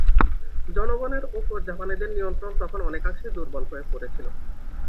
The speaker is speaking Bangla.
জনগণের ওপর জাপানিদের নিয়ন্ত্রণ তখন অনেকাংশেই দুর্বল হয়ে পড়েছিল।